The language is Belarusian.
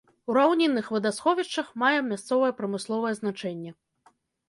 У раўнінных вадасховішчах мае мясцовае прамысловае значэнне.